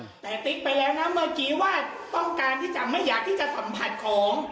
แต่ติ๊กไปแล้วนะเมื่อกี้ว่าต้องการที่จะไม่อยากที่จะสัมผัสของ